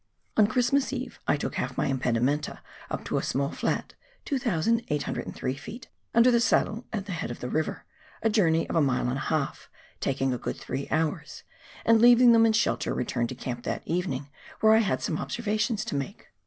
On Christmas Eve I took half my impedimenta up to a small flat (2,803 ft.), under the saddle at the head of the river — a journey of a mile and a half, taking a good three hours — and leaving them in shelter returned to camp that evening, where I had some observations to make.